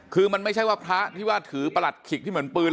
คือมันไม่ใช่ว่าพระที่ว่าถือประหลัดขิกที่เหมือนปืน